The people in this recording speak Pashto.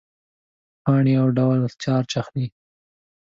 پاڼې یو ډول چارج اخلي.